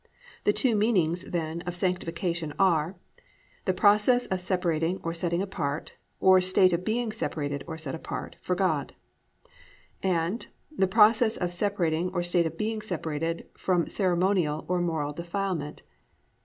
The two meanings, then, of Sanctification are: the process of separating or setting apart, or state of being separated or set apart, for God; and the process of separating or state of being separated from ceremonial or moral defilement.